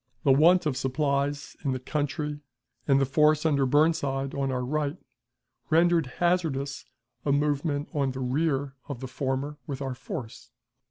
The want of supplies in the country and the force under Burnside on our right rendered hazardous a movement on the rear of the former with our force.